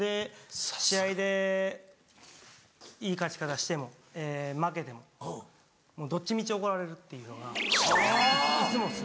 試合でいい勝ち方しても負けてもどっちみち怒られるっていうのがいつもです。